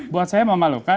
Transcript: buat saya memalukan